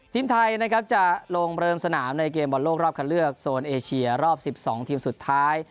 ทีมไทยนะครับจะลงเริ่มสนามในเกมบอลโลกรอบคันเลือกโซนเอเชียรอบ๑๒ทีมสุดท้าย